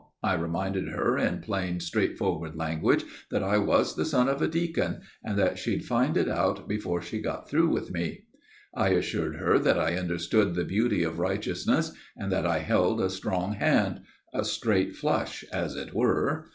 I reminded her in plain, straightforward language that I was the son of a deacon, and that she'd find it out before she got through with me. I assured her that I understood the beauty of righteousness, and that I held a strong hand a straight flush, as it were.